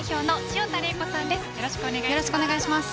よろしくお願いします。